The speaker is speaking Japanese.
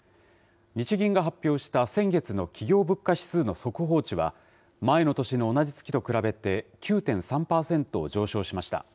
日銀が発表した先月の企業物価指数の速報値は、前の年の同じ月と比べて、９．３％上昇しました。